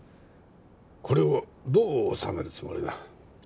これをどう収めるつもりだ